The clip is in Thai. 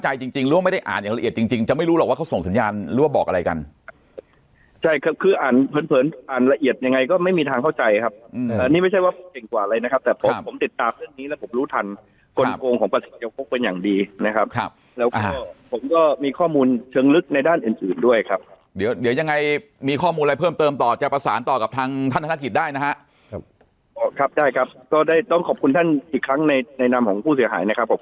อะไรนะครับแต่ผมผมติดตามเรื่องนี้แล้วผมรู้ทันคนโครงของประสิทธิ์จะพบเป็นอย่างดีนะครับครับแล้วก็ผมก็มีข้อมูลเชิงลึกในด้านอื่นอื่นด้วยครับเดี๋ยวเดี๋ยวยังไงมีข้อมูลอะไรเพิ่มเติมต่อจะประสานต่อกับทางท่านธนาคิดได้นะฮะครับครับได้ครับก็ได้ต้องขอบคุณท่านอีกครั้งในแนะนำของผู้เสียหายนะครับขอบ